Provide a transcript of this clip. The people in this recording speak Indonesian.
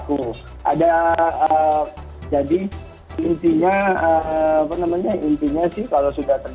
kita harus menghasilkan data yang di dalam dan dieksekut lagi script nya agar di handphone tersebut nanti akan terakses lagi oleh pelaku